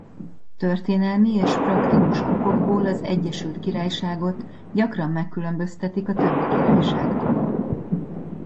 Történelmi és praktikus okokból az Egyesült Királyságot gyakran megkülönböztetik a többi királyságtól.